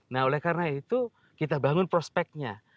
nah oleh karena itu kita bangun prospeknya